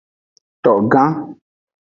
Togan.